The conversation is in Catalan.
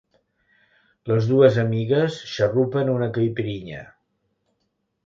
Les dues amigues xarrupen una caipirinha.